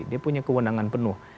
dia punya kewenangan penuh